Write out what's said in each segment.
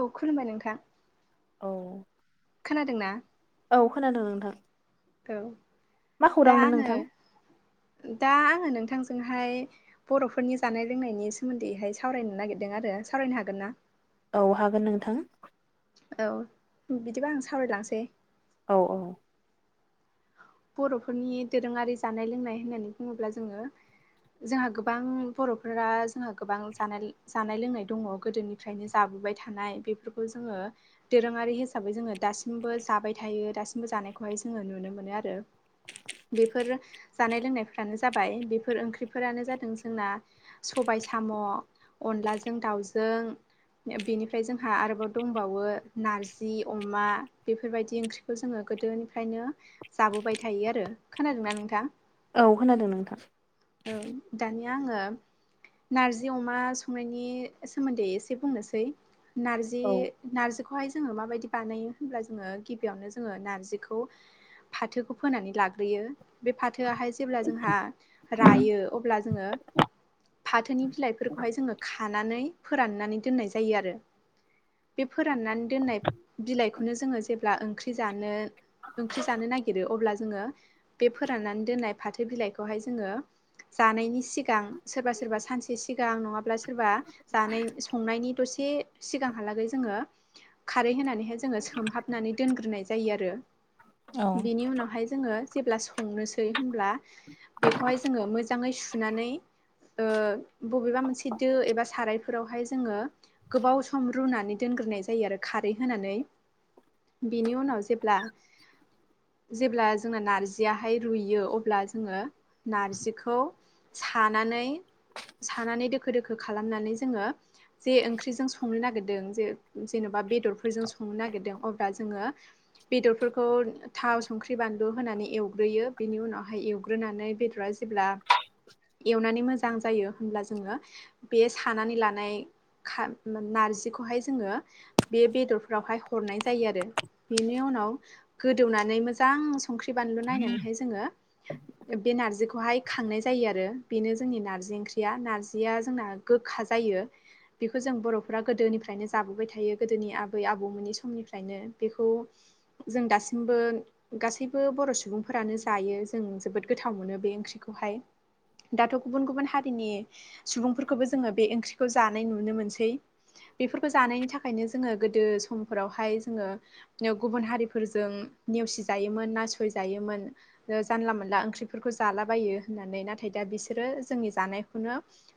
औ खुलुमबाय नोंथां औ खोनादोंना औ खोनादों नोंथां औ मा दा खौरांमोन आंङो नोंथां दा आंङो नोंथां बिथांजोंहाय बर'फोरनि जानाय लोंनायनि सोमोन्दैहाय सावरायनो नागिरदों आरो सावरायनो हागोन ना औ हागोन नोंथां औ बिदिबा आं सावरायलांसै औ औ बर'फोरनि दोरोंङारि जानाय लोंनाय होननानै बुंङोब्ला जोंङो जोंहा गोबां बर'फोरा जोंहा गोबां जानाय जानाय लोंनाय दंङ गोदोनिफ्रायनो जाब बोबाय थानाय बेफोरखौ जोंङो दोरोंङारि हिसाबै जोंङो दासिमबो जाबाय थायो दासिमबो जानाय खौहाय जोंङो नुनो मोनो आरो बेफोर जानाय लोंनायफ्रानो जाबाय बेफोर ओंख्रिफोरानो जादों जोंना सबाय सबाय साम' अनलाजों दाउजों बेनिफ्राय जोंहा आरोबाव दंबावो नारजि अमा बेफोरबायदि ओंख्रिखौ जोंङो गोदोनिफ्रायनो जाबोबाय थायो आरो खोनादोंना नोंथां औ खोनादों नोंथां औ दानिया आंङो नारजि अमा संनायनि सोमोन्दै एसे बुंनोसै नारजि औ नारजिखौहाय जोंङो माबायदि बानायो होनब्ला जोंङो गिबियावनो जोंङो नारजिखौ फाथोखौ फोनानै लाग्रोयो बे फाथोआहाय जेब्ला जोंहा रायो अब्ला जोंङो फाथोनि बिलाइफोरखौहाय जोंङो खानानै फोराननानै दोननाय जायो आरो बे फोराननानै दोननाय बिलाइखौनो जोंङो जेब्ला ओंख्रि जानो ओंख्रि जानो नागिरो अब्ला जोंङो बे फोराननानै दोननाय फाथो बिलाइखौहाय जोंङो जानायनि सिगां सोरबा सोरबा सानसे सिगां नंङाब्ला सोरबा जानाय संनायनि दसे सिगां हालागै जों खारै होनानैहाय जोऔङो सोमहाबनानै दोनग्रोनाय जायो आरो औ बिनि उनावहाय जोंङो जेब्ला संनोसै होनब्ला बेखौहाय जोंङो मोजांङै सुनानै बबेबा मोनसे दो एबा सारायफोरावहाय जोंङो गोबाव सम रुनानै दोनो जायो आरो खारै होनानै बिनि उनाव जेब्ला जेब्ला जों नारजियाहाय रुयो अब्ला जोंङो नारजिखौ थानानै सानानै दोखो दोखो खालामनानै जोंङो जे ओंख्रिजों संनो नागिरदों जे जेनेबा बा बेदरफोरजों संनो नागिरदों अब्ला जोंङो बेदरफोरखौ थाव संख्रि बानलु होनानै एवग्रोयो बिनि उनावहाय एवग्रोनानै बेदरा जेब्ला एवनानै मोजां जायो होनब्ला जोंङो बे सानानै लानाय नारजिखौहाय जोऔङो बे बेदरफोरावहाय हरनाय जायो आरो बेनि उनाव गोदो मोजां संख्रि बानलु नायनानै जोंङो बेखौहाय खांनाय जायो आरो बेनो जोंनि नार्जि ओंख्रिया नार्जिया जोंना गोखा जायो बेखौ जों बर'फोरा गोदोनिफ्रायनो जाबोबाय थायो गोदोनि आबै आबौमोननि समनिफ्रायनो बेखौ जों दास बो गासैबो बर' सुबुंफोरानो जायो जों जोबोद गोथाव मोनो बे ओंख्रिखौहाय। दाथ' गुबुन गुबुन हारिनि सुबुंफोरखौबो जोङो बे ओंख्रिखौ जानाय नुनो मोनसै। बेफोरखौ जानायनि थाखायनो जोङो गोदो समफोरावहाय जोङो गुबुन हारिफोरजों नेवसि जायोमोन नासय जायोमोन जानला मोनला ओंख्रिफोरखौ जालाबायो होननानै नाथाय दा बिसोरो जोंनि जानायखौनो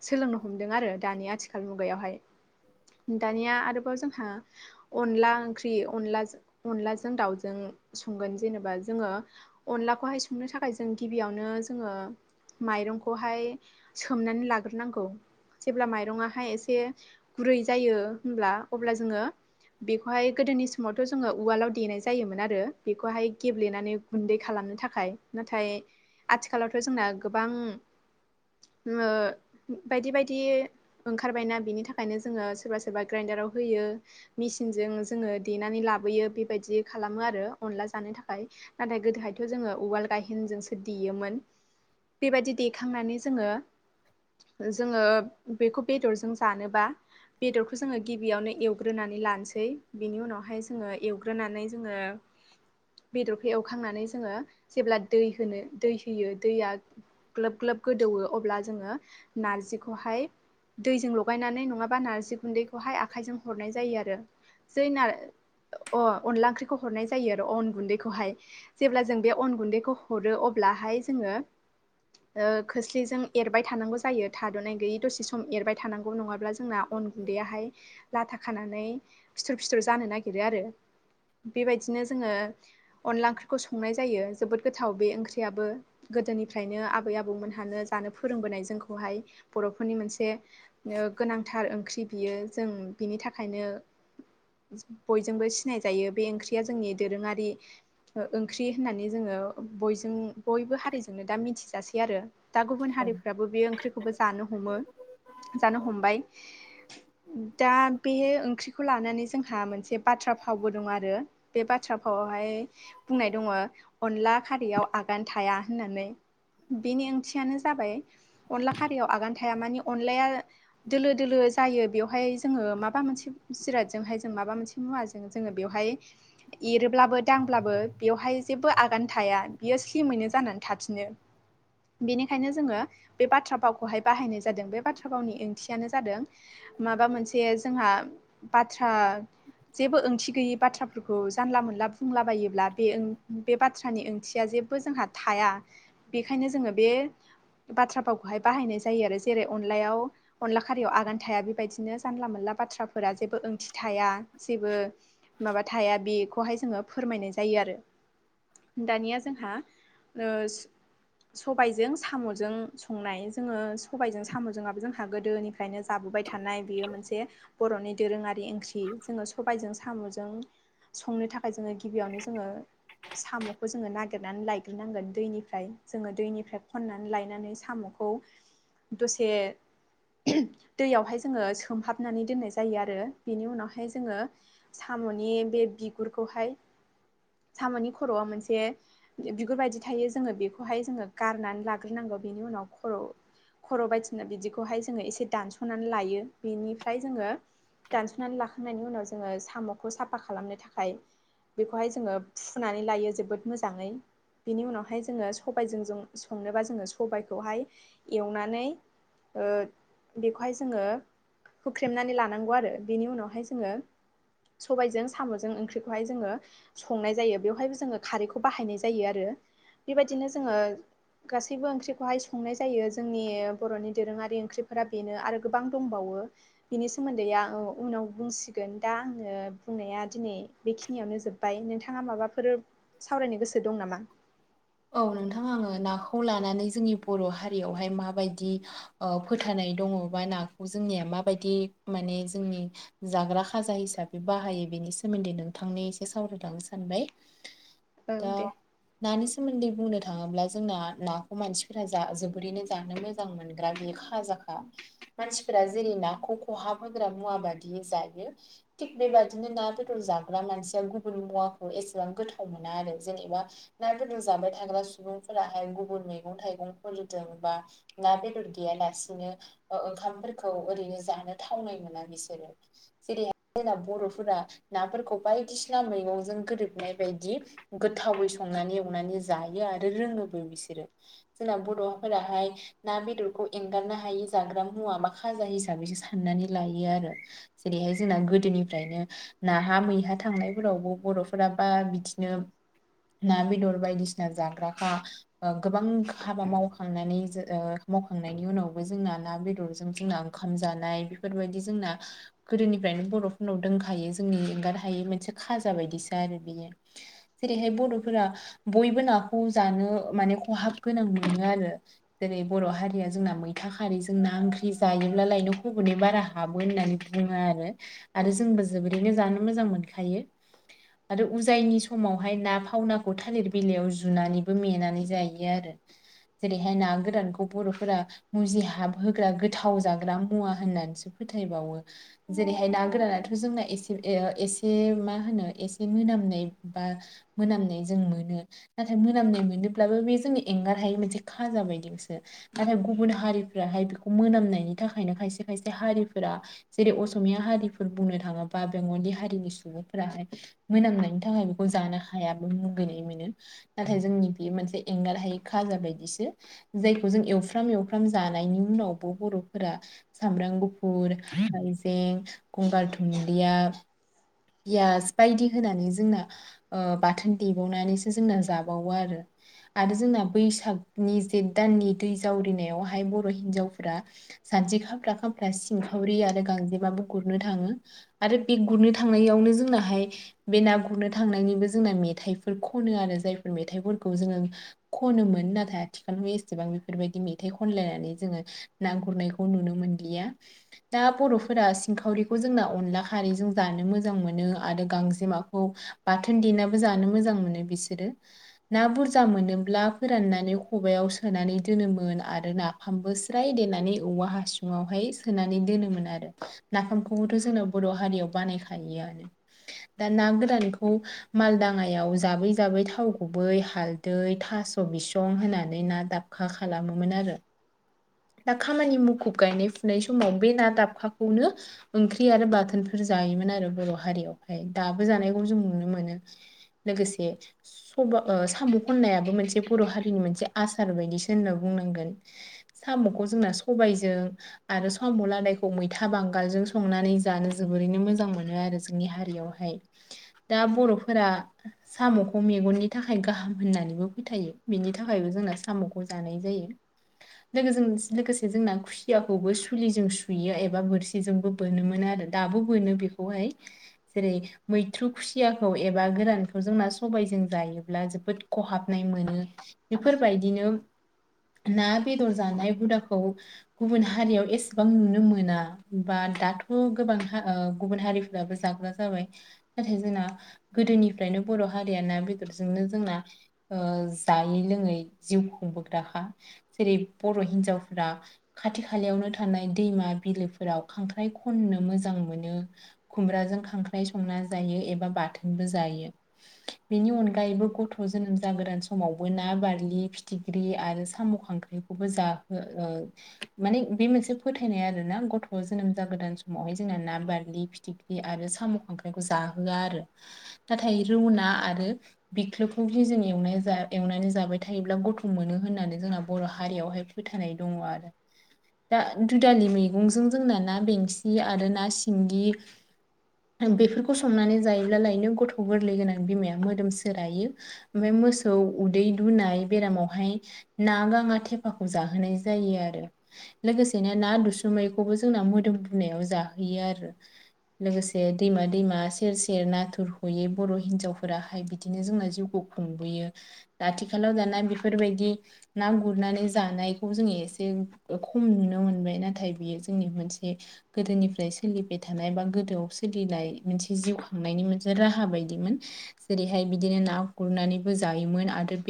सोलोंनो हमदों आरो दानि आथिखाल मुगायावहाय दानिया आरोबाव जोंहा अनला ओंख्रि अनलाजो अनलाजों दाउजों संगोन जेनेबा जोङो अनलाखौहाय संनो थाखाय जों गिबियावनो जोङो माइरंखौहाय सोमनानै लाग्रोनांगौ। जेब्ला माइरङाहाय एसे गुरै जायो होनब्ला अब्ला जोङो बेखौहाय गोदोनि समावथ' जोङो उवालाव देनाय जायोमोन आरो। बेखौहाय गेब्लेनानै गुन्दै खालामनो थाखाय नाथाय आथिखालावथ' जोंना गोबां ओ बायदि बायदि ओंखारबायना बिनि थाखायनो जोङो सोरबा सोरबा ग्रेन्डाराव होयो मेसिनजों जोङो देनानै ला लाबोयो बेबायदि खालामो आरो। अनला जानो थाखाय नाथाय गोदोहायथ' जोङो उवाल गायहेनजोंसो देयोमोन। बेबायदि दैखांनानै जोङो जोङो बेखौ बेदरजों जानोबा बेदरखौ जोङो गिबियावनो एव ग्रोनानै लानोसै बिनि उनावहाय जोङो एवग्रोनानै जोङो बेदरखौ एवखांनानै जोङो जेब्ला दै होनो दै होयो दैया ग्लोब ग्लोब गोदौ वो अब्ला जोङो नारजिखौहाय दैजों लगायनानै नङाबा नारजि गुन्दैखौहाय आखाइजों हरनाय जायो आरो। जै नार अ अनला ओंख्रिखौ हरनाय जायो आरो अन गुन्दैखौहाय। जेब्ला जों बे अन गुन्दैखौ हरो अब्लाहाय जोङो ओ खोस्लिजों एरबाय थानांगौ जायो थाद'नाय गैयि दसे सम एरबाय थानांगौ नङाब्ला जोंना अन गुन्दैयाहाय लाथा खानानै फिथर फिथर जानो नागिरो आरो बेबायदिनो जोङो अनला ओंख्रिखौ संनाय जायो जोबोद गोथाव बे ओंख्रियाबो गोदोनिफ्रायनो आब बै आबौमोनहानो जानो फोरोंबोनाय जोंखौहाय बरफोरनि मोनसे ओ गोनांथार ओंख्रि। बियो जों बिनि थाखायनो बयजोंबो सिनायजायो बे ओंख्रिया जोंनि दोरोङारि ओंख्रि होननानै जोङो बयजों बयबो हारिजोंनो दा मिथिजासै आरो। दा गुबुन हारिफ्राबो बे ओंख्रिखौबो जानो हमो। जानो हमबाय दा बे ओंख्रिखौ लानानै जों जोंहा मोनसे बाथ्रा फावबो दं आरो बे बाथ खारियाव आगान थाया होननानै। बेनि ओंथियानो जाबाय अनला खारियाव आगान थाया मानि अनलाया दोलो दोलो जायो बेयावहाय जोङो माबा मोनसे जिरादजोंहाय जों माबा मोनसे मुवाजों जोङो बेयावहाय एरोब्लाबो दांब्लाबो बेवहाय जेबो आगान थाया बियो स्लिमैनो जानानै थाफिनो। बेनिखायनो जोङो बे बाथ्रा भावखौहाय बाहायनाय जादों बे बाथ्रा भावनि ओंथियानो जादों माबा मोनसे जोंहा बाथ्रा जेबो ओंथि गैयि बाथ्राफोर खौ जानला मोनला बुंलाबायोब्ला बे ओ बे बाथ्रानि ओंथिया जेबो जोंहा थाया। बेखायनो जोङो बे बाथ्रा भावखौहाय बाहायनाय जायो आरो जेरै अनलायाव अनला खारियाव आगान थाया बेबायदिनो जानला मोनला बाथ्राफोरा जेबो ओंथि थाया जेबो माबा थाया बेखौहाय जोङो फोरमायनाय जायो आरो। दानिया जोंहा ओ सबाइजों सामजों संनाय जोङो सबाइजों सामजोङाबो जोंहा गोदोनि फ्रायनो जाबोबाय थानाय बेयो मोनसे बर'नि दोरोङारि ओंख्रि जोङो सबाइजों सामजों संनो थाखाय जोङो गिबियावनो जोङो साम'खौ जोङो नागिरनानै लायग्रोनांगोन दैनिफ्राय जोङो दैनिफ्राय खननानै लायनानै साम' खौ दसे दैयावहाय जोङो सोमहाबनानै दोननाय जायो आरो बेनि उनावहाय जोङो साम'नि बे बिगुरखौहाय साम'नि खर'आ मोनसे बिगुर बायदि थायो जोङो बेखौहाय जोङो गारनानै लाग्रोनांगौ बिनि उनाव खर' खर' बायदिसिना बिदिखौहाय जोङो एसे दानस'नानै लायो बेनिफ्राय जोङो दानस'नानै लाखांनायनि उनाव जोङो साम'खौ साफा खालामनो थाखाय बेखौहाय जोङो फुनानै लायो जोबोद मोजाङै बिनि उनावहाय जोङो सबायजों संनोबा जोङो सबायखौहाय एवनानै ओ बेखौहाय जोङो होुख्रेमनानै लानांगौ आरो बेनि उनावहाय जोङो। सबायजों साम'जों ओंख्रिखौहाय जोङो संनाय जायो बेवहायबो जोङो खारैखौ बाहायनाय जायो आरो बेबायदिनो जोङो गासैबो ओंख्रिखौहाय संनाय जायो जोंनि बर'नि दोरोङारि ओंख्रिफोरा बेनो आरो गोबां दंबावो बिनि सोमोन्दै आं उनाव बुंसिगोन दा आंङो बुंनाया दिनै बेखिनियावनो जोब्बाय नोंथाङा माबाफोर सावरायनो गोसो दं नामा? औ नोंथां आङो नाखौ लानानै जोंनि बर' हारियावहाय माबायदि ओ फोथायनाय दङ बा नाखौ जोंनिया माबायदि माने जोंनि जाग्रा खाजा हिसाबै बाहायो। बेनि सोमोन्दै नोंथांनो एसे सावरायलांनो सानबाय औ दा दे ना सोमोन्दै बुंनो थाङोब्ला जोंना नाखौ मानसिफोरा जोबोरैनो जानो मोजां मोनग्रा खाजा आ मानसिफोरा जेरै नाखौ खहाब होग्रा मुवा बादि जायो थिग बेबादि दि ना बेदर जाग्रा मानसिया गुबुननि मुवाखौ एसेबां गोथाव मोना आरो जेनेबा ना रोंजाबाय थाग्रा सुबुंफोराहाय गुबुन मैगं थाइगंफोरजों बा ना बेदर गैयालासे ओंखामफोरखौ ओरैनो जानो थावनाय मोना बिसोरो जेरैहाय जों फोरा नाफोरखौ बायदिसिना मैगंजों गोरोबनाय बायदि गोथावै संनानै जायो आरो रोंङोबो बिसोरो जोंना बर'फोराहाय ना बेदरखौ एंगार ना हायि जाग्रा मुवा मा खाजा हिसाबैसो साननानै लायो आरो जेरैहाय जोंना गोदोनिफ्राय ना मैहा थांनायफोरावबो बर'फोरा बा बिदिनो ना बेदर बायदिसिना जाग्राखा गोबां हाबा मावखांनानै ओ मावखांनायनि उनाव जों ना बेदर जों ओंखाम जानाय बेफोरबायदि जोंना गोदोनिफ्रायनो बर'फोरनाव दों जोंनि एंगारनो हायै मोनसे खाजा बायदिसो आरो बेयो जेरैहाय बर'फोरा बयबो नाखौ जानो माने खहाब गोनां मोनो आरो जेरै बर' हारिया जोंना मै खारैजों ना ओंख्रि जायोब्ला लायनो खबनै बारा हाबो होननानै बुङो आरो आरो जों जोबोरैनो जानो जानो मोजां मोनखायो आरो उजायनि समावहाय ना खावनाखौ थालिर बिलाइयाव जुनानैबो मेनानै जायो आरो जेरैहाय ना गोरानखौ बर'फोरा मुजिहाब होग्रा गोथाव जाग्रा मुवा होननानैसो फोथायबावो जेरैहाय ना गोरानाथ' जोंनासे एसे मा होनो एसे मोन मोननाय बा मोनामनाय जों मोनो नाथाय मोनामनाय मोनोब्लाबो बे जोंनि एंगारहायै मोनसे खाजा बायदि बिसो नाथाय गुबुन हारि फोराहाय बेखौ मोनामनायनि थाखायनो खायसे खायसे हारिफोरा जेरै असमिया हारिफोर बुंनो थाङोब्ला बा बेंगलि हारिनि सुबुंफोराहाय मोनामनायनि थाखाय बेखौ जानो हायाबो मुगैनाय मोनो‌। नाथाय जोंनि बे मोनसे एंगार हायो खाजा बायदिसो जायखौ जों एवफ्राम एवफ्राम जा नायनि उनावबो बर'फोरा सामब्राम गुफुर, हाइजें, गंगार, धुनदि या पियास बायदि होनानै जोंना ओ बाथोन देबावनानैसो जोंना जाबावो आरो आरो जोंना बैसागनि जेथ दाननि दै जावरिनायावहाय बर' हिनजावफ्रा सानजि खामफ्रा खामफ्रा सिंखावरि आरो गांजेबाबो गुरनो थाङो आरो बे गुरनो थांनायावनो जोंनाहाय बे ना गुरनो थांनायनिबो जोंना मेथाइफोर खनो आरो जायफोर मेथाइखौ जोंङो खनोमोन नाथाय आथिखालाव एसेबां बेफोरबायदि मेथाइ खनलायनानै जोङो हरनायखौ नुनो मोनदिया दा बर'फोरा सिंखावरिखौ जोंना अनला खारैजों जानो मोजां मोनो आरो गांजेमाखौ बाथोन देनाबो जानो मोजां मोनो बिसोरो ना बुरजा मोनोब्ला फोराननानै खबायाव सोनानै दोनोमोन आरो नाफामबो स्राय देनानै औवा हासुंयावहाय सोनानै दोनोमोन आरो नाफामखौथ' जोङो बर' हारियाव बानायखायो आरो दा ना गोरानखौ मालदाङायाव जाबै जाबै थाव गु बै हालदै थास' बिसं होनानै ना दाबखा खालामोमोन आरो दा खामानि मुखुब गायनाय फुनाय समाव बे ना दाबखाखौनो ओंख्रि आरो बाथोनफोर जायोमोन आरो बर' हारियावहाय दाबो जानायखौ जों नुनो मोनो लोगोसे सबा ओ साम' खननायाबो मोनसे बर' हारिनि मोनसे आसार बायदिसो होनना बुं नांगोन साम'खौ जोंना सबायजों आरो साम' लादायखौ मैथा बांगालजों संनानै जानो जोबो रैनो मोजां मोनो आरो जोंनि हारियावहाय दा बर'फोरा साम'खौ मेगन नि थाखाय गाहाम होननानैबो फोथायो बिनि थाखायबो जोंना साम'खौ जानाय जायो। लोगोजों लोगोसे जोंना खुसियाखौबो सुलिजों सुयो एबा बोरसिजोंबो बोनोमोनो आरो दाब बो बोनो बेखौहाय जेरै मैथ्रु खुसियाखौ एबा गोरानखौ जोंना सबायजों जायोब्ला जोबोद खहाबनाय मोनो बेफोरबायदिनो ना बे दर जानाय हुदाखौ गुबुन हारियाव एसेबां नुनो मोना बा दाथ' गोबां ओ गुबुन हारिफ्राबो जाग्रा जाबाय नाथाय जोंना गोदोनिफ्रायनो बर' हारिया ना बेदरजोंनो जोंना जायै लोङै जिउ खुंबोग्राखा जेरै बर' हिनजावफोरा खाथि खालायावनो थानाय दैमा बिलोफोराव खांख्राइ खननो मोजां मोनो खुमब्राजों खांख्राय संना जायो एबा बाथोनबो जायो बेनि अनगायैबो गथ' जोनोम जागोदान समावबो ना बारलि फिथिख्रि आरो साम' खांख्राइ खौबो जाहो ओ माने बे मोनसे फोथायनाय आरोना गथ' जोनोम जागोदान समावहाय जों ना बारलि फिथिख्रि आरो साम' खांख्रायखौ जाहोआ आरो नाथाय रौ ना आरो बिख्लोखौ बोजों एवनानै जा एवनानै जाबाय थायोब्ला गथ' मोनो होननानै जोंना बर'हा हारियावहाय फोथायनाय दङ आरो दा दुदालि मैगंजों जोंना ना बेंसि आरो ना सिंगि बेफोरखौ संनानै जायोब्ला लायनो गथ' गोरलै गोनां बिमाया मोदोम सोरायो ओमफ्राय मोसौ उदै दुनाय बेरामावहाय ना गाङा थे थेफाखौ जाहोनाय जायो आरो लोगोसेनो ना दुसुमैखौबो जोंना मोदोम दुनायाव जा हैयो आरो लोगोसे दैमा दैमा सेर सेर नाथुर हयो बर' हिनजावफोराहाय बिदिनो जोंना जिउखौ खुंबोयो आथिखालाव दाना बेफोरबायदि ना गुरनानै जानायखौ जोङो एसे खम नुनो मोनबाय नाथाय बियो जोंनि मोनसे गोदोनि फाय सोलिबाय थानाय बा गोदोआव सोलिनाय मोनसे जिउ खांनायनि मोनसे राहा बायदिमोन जे रैहाय बिदिनो ना गुरनानैबो जायोमोन आरो बे